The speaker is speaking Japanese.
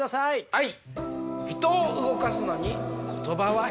はい。